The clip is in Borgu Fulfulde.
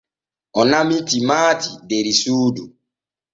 O namii timaati der suudu.